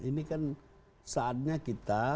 ini kan saatnya kita